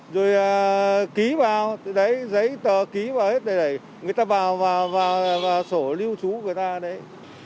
rồi ký vào đấy giấy tờ ký vào hết đây người ta vào và sổ lưu trú người ta đấy